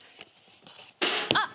あっ！